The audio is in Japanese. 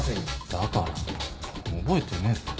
だから覚えてねえって。